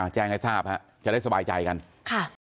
แจ้งให้ทราบฮะจะได้สบายใจกันค่ะ